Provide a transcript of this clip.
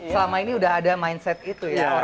selama ini sudah ada mindset itu ya orang indonesia